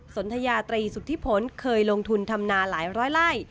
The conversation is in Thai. สนทยาตรีสุธิพลเคยลงทุนทำนาหลายร้อยไล่